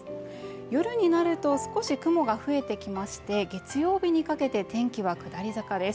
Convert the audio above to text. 夜によると、少し雲が増えてきまして、月曜日にかけて天気は下り坂です。